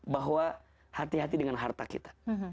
bahwa hati hati dengan harta kita